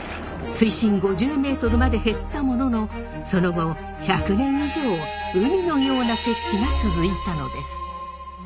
水深５０ｍまで減ったもののその後１００年以上海のような景色が続いたのです。